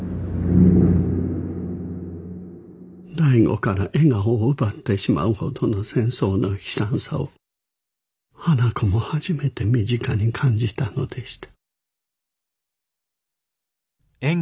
醍醐から笑顔を奪ってしまうほどの戦争の悲惨さを花子も初めて身近に感じたのでした。